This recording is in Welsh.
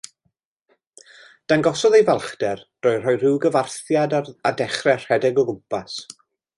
Dangosodd ei falchder drwy roi rhyw gyfarthiad a dechrau rhedeg o gwmpas.